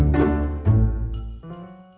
sampai jumpa lagi